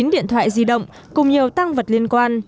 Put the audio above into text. một mươi chín điện thoại di động cùng nhiều tăng vật liên quan